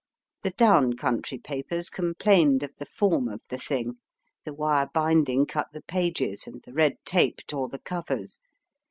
The down country papers complained of the form of the thing. The wire binding cut the pages, and the red tape tore the covers.